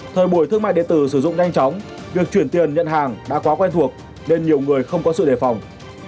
thời buổi thương mại điện tử sử dụng nhanh chóng việc chuyển tiền nhận hàng đã quá quen thuộc nên nhiều người không có sự đề phòng